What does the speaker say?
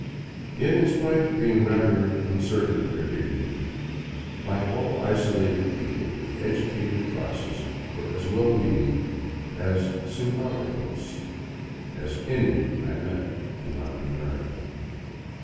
Yet in spite of being rather uncertain of their dignity, like all isolated peoples, the educated classes were as well meaning, as simpdticos, as any I met in Latin America.